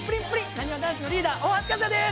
なにわ男子のリーダー大橋和也です！